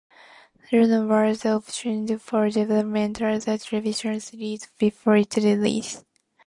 "Luna" was optioned for development as a television series before its release.